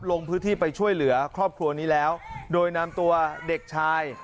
ลงพื้นที่ไปช่วยเหลือครอบครัวนี้แล้วโดยนำตัวเด็กชาย